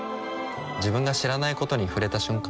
自分が知らないことに触れた瞬間